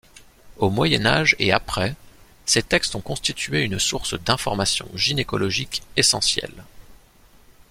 Au Moyen Âge et après, ces textes ont constitué une source d'information gynécologique essentielle.